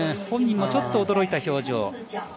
本人もちょっと驚いた表情。